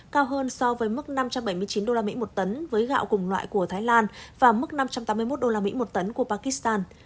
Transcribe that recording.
cao hơn so với mức năm trăm bảy mươi chín đô la mỹ một tấn với gạo cùng loại của thái lan và mức năm trăm tám mươi một đô la mỹ một tấn của pakistan